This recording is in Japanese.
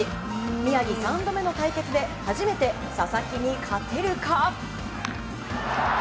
宮城、３度目の対決で初めて佐々木に勝てるか？